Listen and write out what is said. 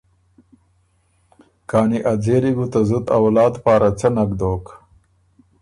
کانی ا ځېلی بو ته زُت اولاد پاره څۀ نک دوک؟